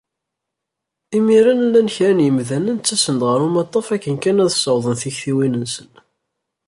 Imir-n, llan kra n yimdanen, ttasen-d ɣer umaṭṭaf akken kan ad ssawḍen tiktiwin-nsen.